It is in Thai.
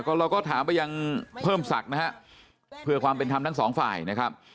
เราก็ถามไปยังเพิ่มศักดิ์นะฮะเพื่อความเป็นธรรมทั้งสองฝ่ายนะครับ